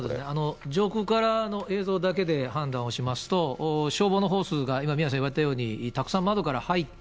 上空からの映像だけで判断をしますと、消防のホースが今、宮根さん言われたように、たくさん窓から入って、